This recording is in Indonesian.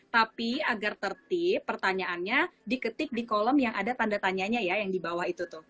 tapi agar tertib pertanyaannya diketik di kolom yang ada tanda tanyanya ya yang di bawah itu tuh